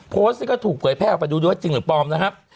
โพสต์นี้ก็ถูกเผยแพร่ออกไปดูด้วยว่าจริงหรือปลอมนะครับ